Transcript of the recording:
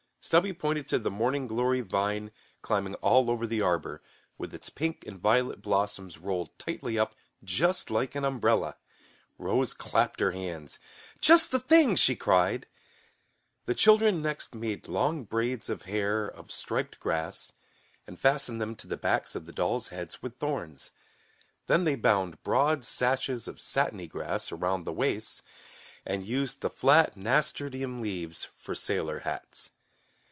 Stubby pointed to the morning glory vine climbing all over the arbor, with its pink and violet blossoms rolled tightly up, just like an umbrella! Rose clapped her hands. "Just the thing," she cried. The children next made long braids of hair of striped grass, and fastened them to the backs of the dolls' heads with thorns. Then they bound broad sashes of satiny grass around the waists and used the flat nasturtium leaves for sailor hats.